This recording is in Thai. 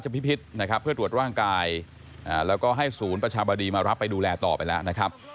พิพิษนะครับเพื่อตรวจร่างกายแล้วก็ให้ศูนย์ประชาบดีมารับไปดูแลต่อไปแล้วนะครับ